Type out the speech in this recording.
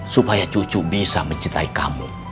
supaya cucu bisa mencintai kamu